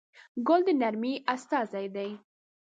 ګل د نرمۍ استازی دی.